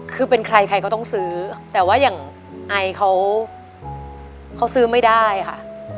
คือเป็นใครใครก็ต้องซื้อแต่ว่าอย่างไอเขาซื้อไม่ได้ค่ะ